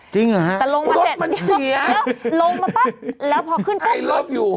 จริงหรอครับ